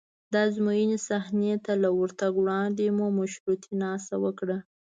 د ازموینې صحنې ته له ورتګ وړاندې مو مشورتي ناسته وکړه.